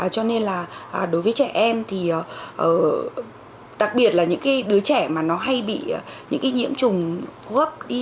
cho nên là đối với trẻ em thì đặc biệt là những cái đứa trẻ mà nó hay bị những cái nhiễm trùng hốp đi